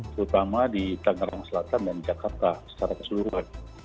terutama di tangerang selatan dan jakarta secara keseluruhan